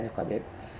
trong khỏi biển